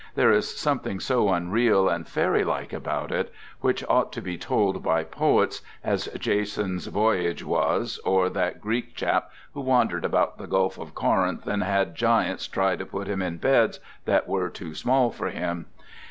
There is something so unreal and fairy like about it, which ought to be told by poets, as Jason's Voyage was, or that Greek chap who wandered about the Gulf of Corinth and had giants try to put him in beds that were too small for him.